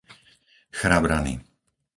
Chrabrany